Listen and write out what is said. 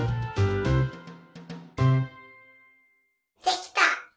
できた！